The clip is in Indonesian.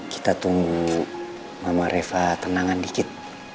kita tunggu mama reva tenangan dikit